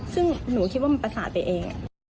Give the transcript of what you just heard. ซึ่งหนูคิดว่ามันประสาทไปเอง